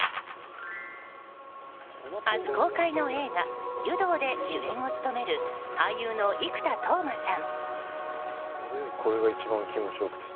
明日公開の映画「湯道」で主演を務める俳優の生田斗真さん。